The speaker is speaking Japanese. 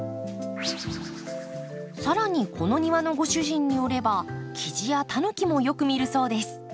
更にこの庭のご主人によればキジやタヌキもよく見るそうです。